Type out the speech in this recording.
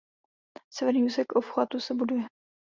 Severní úsek obchvatu se buduje.